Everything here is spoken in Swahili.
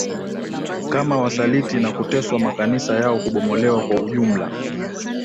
kama wasaliti na kuteswa makanisa yao kubomolewa Kwa ujumla